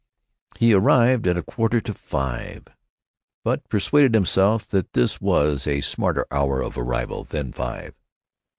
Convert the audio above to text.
He arrived at a quarter to five, but persuaded himself that this was a smarter hour of arrival than five.